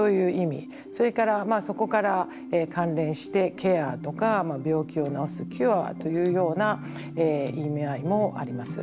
それからそこから関連してケアとか病気を治すキュアというような意味合いもあります。